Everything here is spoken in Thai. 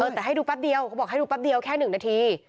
แต่ให้ดูแป๊บเดียวเขาบอกให้ดูแป๊บเดียวแค่๑นาที